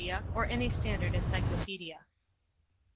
or any standard encyclopedia.